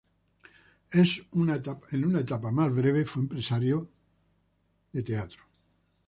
En una etapa más breve, fue empresario de corridas de toros.